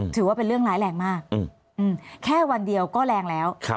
ถือว่าเป็นเรื่องร้ายแรงมากแค่วันเดียวก็แรงแล้ว